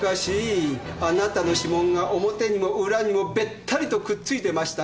あなたの指紋が表にも裏にもべったりとくっついてましたよ。